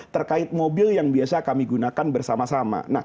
terkait mobil yang biasa kami gunakan bersama sama